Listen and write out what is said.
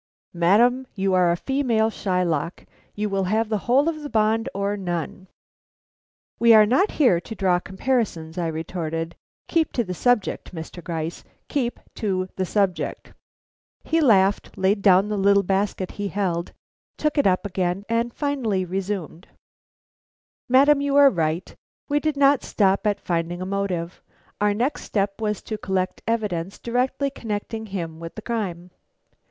"Madam, you are a female Shylock; you will have the whole of the bond or none." "We are not here to draw comparisons," I retorted. "Keep to the subject, Mr. Gryce; keep to the subject." He laughed; laid down the little basket he held, took it up again, and finally resumed: "Madam, you are right; we did not stop at finding a motive. Our next step was to collect evidence directly connecting him with the crime."